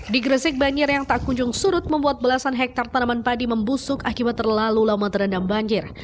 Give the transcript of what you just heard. di gresik banjir yang tak kunjung surut membuat belasan hektare tanaman padi membusuk akibat terlalu lama terendam banjir